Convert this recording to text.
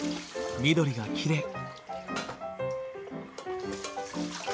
緑がきれい。